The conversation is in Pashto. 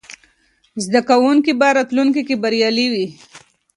زده کوونکي به راتلونکې کې بریالي وي.